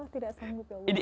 tidak sanggup ya allah